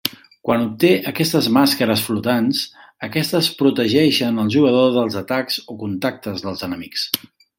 Quan obté aquestes màscares flotants, aquestes protegeixen al jugador dels atacs o contactes dels enemics.